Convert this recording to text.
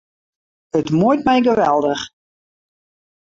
It muoit my geweldich.